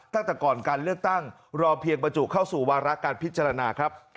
ตั้งแต่ก่อนการเลือกตั้งรอเพียงบรรจุเข้าสู่วาระการพิจารณาครับ